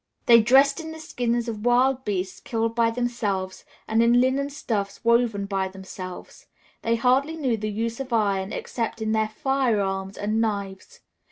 They dressed in the skins of wild beasts killed by themselves, and in linen stuffs woven by themselves. They hardly knew the use of iron except in their firearms and knives.